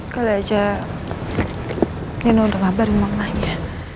kalo aja nino udah ngabarin mamanya